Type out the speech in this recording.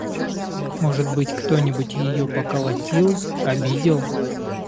Может быть, кто-нибудь ее поколотил… обидел?